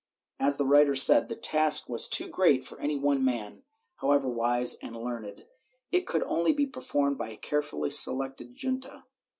As the writer said, the task was too great for any one man, however wise and learned; it could only be performed by a carefully selected junta.